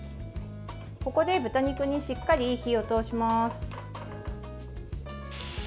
ここで豚肉にしっかり火を通します。